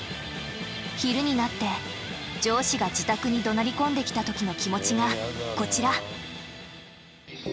昼になって上司が自宅に怒鳴り込んできたときの気持ちがこちら。